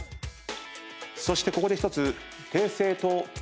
そしてここで１つ。